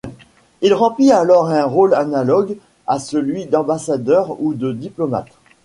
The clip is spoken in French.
Il remplit alors un rôle analogue à celui d'ambassadeur ou de diplomate.